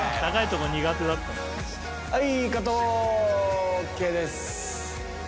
はい。